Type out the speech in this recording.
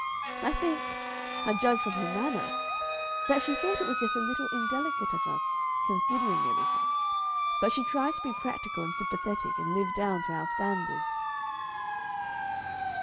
I think I judge from her manner that she thought it was just a little indelicate of us considering everything; but she tried to be practical and sympathetic and live down to our standards."